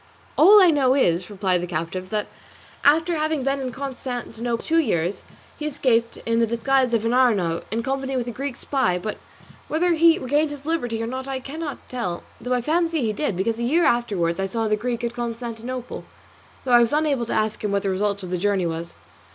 "All I know is," replied the captive, "that after having been in Constantinople two years, he escaped in the disguise of an Arnaut, in company with a Greek spy; but whether he regained his liberty or not I cannot tell, though I fancy he did, because a year afterwards I saw the Greek at Constantinople, though I was unable to ask him what the result of the journey was."